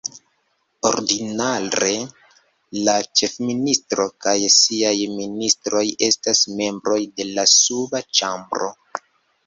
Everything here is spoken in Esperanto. Ordinare, la ĉefministro kaj siaj ministroj estas membroj de la suba ĉambro.